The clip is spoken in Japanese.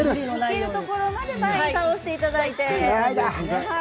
いけるところまで前に倒していただいて。